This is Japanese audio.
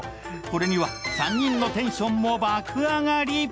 これには３人のテンションも爆上がり！